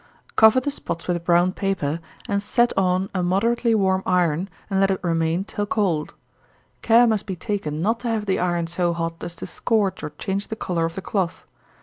Cover the spots with brown paper, and set on a moderately warm iron, and let it remain till cold. Care must be taken not to have the iron so hot as to scorch or change the color of the cloth.